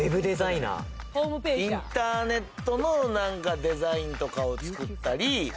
インターネットのデザインとかを作ったり。